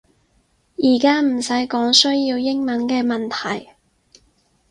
而家唔使講需要英文嘅問題